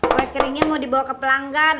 kue keringnya mau dibawa ke pelanggan